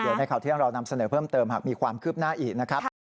เดี๋ยวในข่าวเที่ยงเรานำเสนอเพิ่มเติมหากมีความคืบหน้าอีกนะครับ